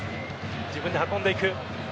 自分で運んでいく。